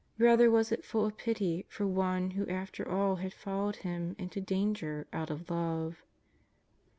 Rather was It full of pity for one who after all had followed Him into danger out of love.